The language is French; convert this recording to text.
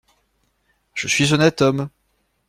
Je suis honnête homme.